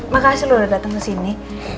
makasih lo udah datang kesini